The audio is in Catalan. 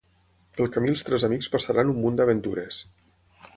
Pel camí els tres amics passaran un munt d'aventures.